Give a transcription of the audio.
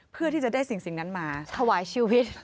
เพื่อที่จะได้สิ่งนั้นมาถวายชีวิต